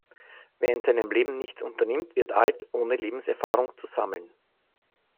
Wer in seinem Leben nichts unternimmt, wird alt, ohne Lebenserfahrung zu sammeln.